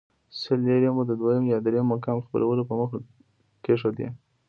سل لیرې مو د دویم یا درېیم مقام خپلولو په موخه کېښودې.